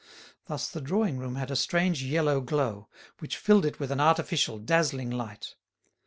Thus the drawing room had a strange yellow glow, which filled it with an artificial dazzling light.